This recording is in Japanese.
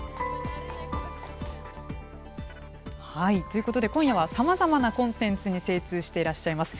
ということで今夜はさまざまなコンテンツに精通していらっしゃいます